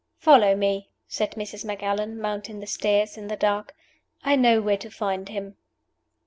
"Follow me," said Mrs. Macallan, mounting the stairs in the dark. "I know where to find him."